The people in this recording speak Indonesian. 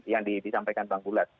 yang disampaikan bang gula